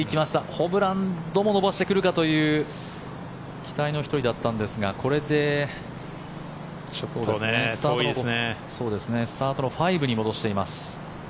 ホブランドも伸ばしてくるかという期待の１人だったんですがこれでスタートの５に戻しています。